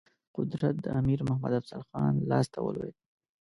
قدرت د امیر محمد افضل خان لاسته ولوېد.